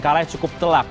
kalah yang cukup telak